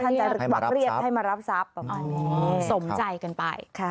ท่านจะกวากเรียกให้มารับทรัพย์สมใจกันไป